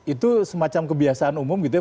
itu semacam kebiasaan umum gitu ya